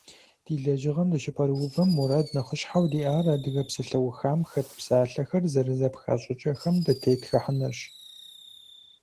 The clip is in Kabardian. Ди лэжьыгъэм дыщыпэрыувэм мурад нэхъыщхьэу диӏар адыгэ псалъэухам хэт псалъэхэр зэрызэпха щӏыкӏэхэм дытетхыхьынырщ.